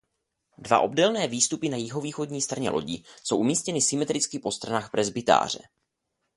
Dva obdélné vstupy na jihovýchodní straně lodi jsou umístěny symetricky po stranách presbytáře.